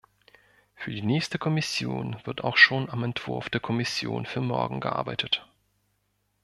Für die nächste Kommission wird auch schon am Entwurf der Kommission für morgen gearbeitet.